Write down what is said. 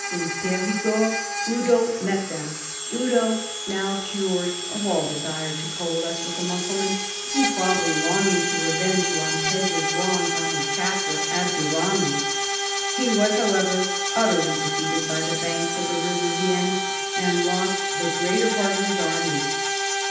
In Perigord Eudo met them, Eudo now cured of all desire to coalesce with the Mussulman and probabl}'^ longing to revenge Lampegia's wrongs on her captor, Abder rahman. lie was, however, utterly defeated b}'^ the banks of the river Vienne and lost the greater part of his army.